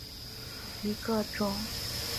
疏齿巴豆为大戟科巴豆属下的一个种。